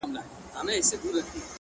يا الله تې راته ژوندۍ ولره;